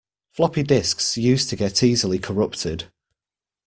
Floppy disks used to get easily corrupted.